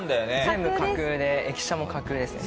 全部架空で駅舎も架空ですね